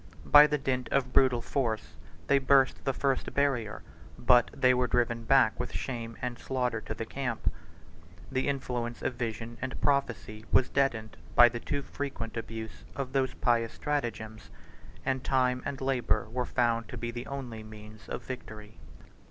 By the dint of brutal force, they burst the first barrier; but they were driven back with shame and slaughter to the camp: the influence of vision and prophecy was deadened by the too frequent abuse of those pious stratagems; and time and labor were found to be the only means of victory.